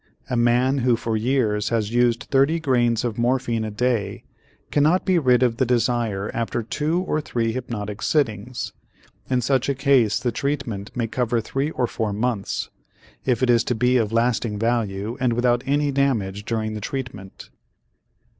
A man who for years has used thirty grains of morphine a day cannot be rid of the desire after two or three hypnotic sittings. In such a case the treatment may cover three or four months, if it is to be of lasting value and without any damage during the treatment.